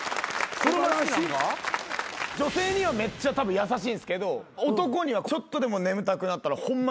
女性にはめっちゃたぶん優しいんですけど男にはちょっとでも眠たくなったらホンマ